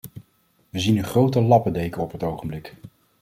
Wij zien een grote lappendeken op het ogenblik.